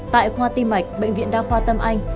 tại khoa ti mạch bệnh viện đa khoa tân anh